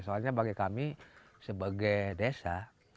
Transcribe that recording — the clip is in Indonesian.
soalnya bagi kami sebagai desa